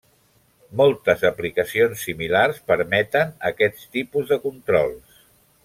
Moltes aplicacions similars permeten aquest tipus de controls.